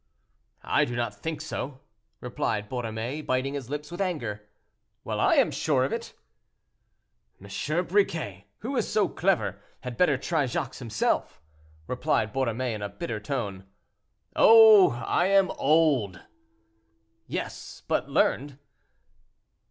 "I do not think so," replied Borromée, biting his lips with anger. "Well! I am sure of it." "M. Briquet, who is so clever, had better try Jacques himself," replied Borromée, in a bitter tone. "Oh! I am old." "Yes, but learned."